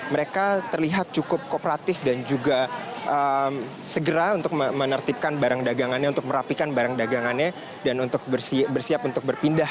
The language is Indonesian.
mereka terlihat cukup kooperatif dan juga segera untuk menertibkan barang dagangannya untuk merapikan barang dagangannya dan untuk bersiap untuk berpindah